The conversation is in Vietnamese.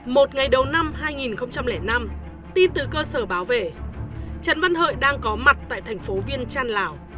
một ngày đầu năm hai nghìn năm tin từ cơ sở báo về trần văn hợi đang có mặt tại thành phố viên trăn lào